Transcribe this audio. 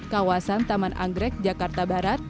kawasan taman anggrek jakarta barat